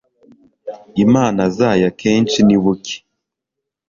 Imana zayo akenshi ni buke